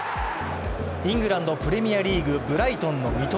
イングランド・プレミアリーグ、ブライトンの三笘。